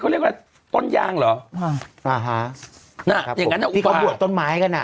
เขาเรียกว่าต้นยางเหรออ่าอ่าฮะน่ะอย่างนั้นที่เขาบวชต้นไม้กันอ่ะ